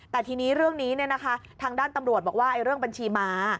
แต่ทีนี้เรื่องนี้ทางด้านตำรวจบอกว่าเรื่องบัญชีม้า